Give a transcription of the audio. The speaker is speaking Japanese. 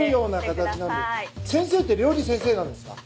先生って料理先生なんですか？